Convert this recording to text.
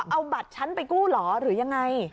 เอาบัตรฉันไปกู้เหรอหรือยังไง